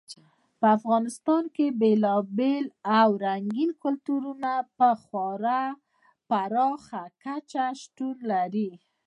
په افغانستان کې بېلابېل او رنګین کلتورونه په خورا پراخه کچه شتون لري.